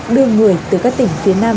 đưa người từ các tỉnh phía nam